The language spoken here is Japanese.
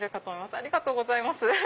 ありがとうございます。